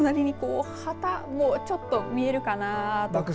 その隣に旗もちょっと見えるかなと。